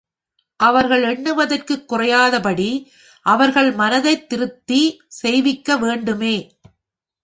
அவர்கள் எண்ணுவதற்குக் குறையாதபடி அவர்கள் மனத்தைத் திருப்தி செய்விக்க வேண்டுமே!